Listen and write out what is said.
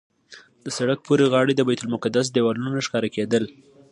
د سړک پورې غاړې د بیت المقدس دیوالونه ښکاره کېدل.